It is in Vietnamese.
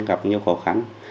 dân gặp nhiều khó khăn